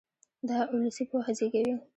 دا اولسي پوهه زېږوي.